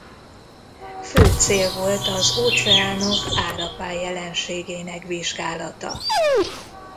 Fő cél volt az óceánok árapály jelenségének vizsgálata.